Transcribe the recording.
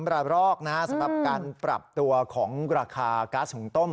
ระรอกสำหรับการปรับตัวของราคาก๊าซหุงต้ม